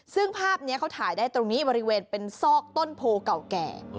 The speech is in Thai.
ซึ่งภาพนี้เขาถ่ายได้ตรงนี้บริเวณเป็นซอกต้นโพเก่าแก่